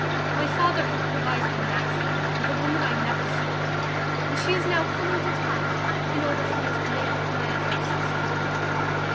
My father hath provided a match for me with a woman I never saw; and she is now coming to town, in order for me to make my addresses to her."